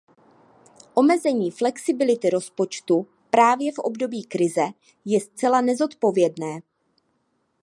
Omezení flexibility rozpočtu právě v období krize je zcela nezodpovědné.